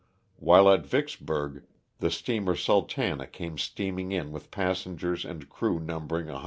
While at Vicksburg the steamer, Sultana" came steaming in with passengers and crew numbering 110.